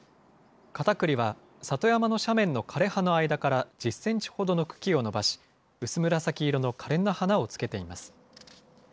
カタクリは、里山の斜面の枯れ葉の間から１０センチほどの茎を伸ばし、薄紫色のかれんな花をつけています。